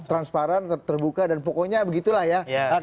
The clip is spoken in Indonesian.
transparan terbuka dan pokoknya begitulah ya